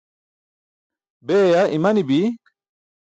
Beeya imanibi.